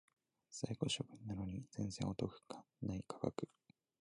在庫処分なのに全然お得感ない価格